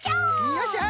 よっしゃ。